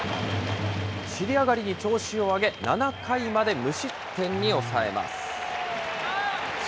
尻上がりに調子を上げ、７回まで無失点に抑えます。